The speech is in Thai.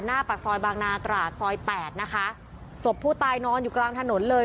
หน้าปากซอยบางนาตราดซอยแปดนะคะศพผู้ตายนอนอยู่กลางถนนเลย